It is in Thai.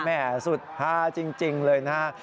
แม่แสดงสุดห้าจริงเลยนะครับ